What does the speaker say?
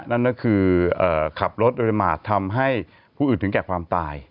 นั่นก็คือขับรถโดยประมาททำให้ผู้อื่นถึงแก่ความตาย